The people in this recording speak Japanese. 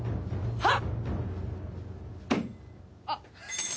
はっ！